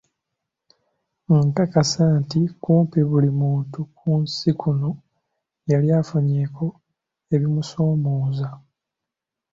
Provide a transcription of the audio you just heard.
Nkakasa nti kumpi buli muntu ku nsi kuno yali afunyeeko ebimusoomooza.